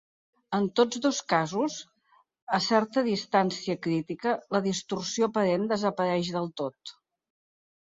En tots dos casos, a certa distància crítica, la distorsió aparent desapareix del tot.